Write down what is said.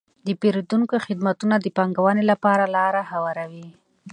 د پیرودونکو خدمتونه د پانګونې لپاره لاره هواروي.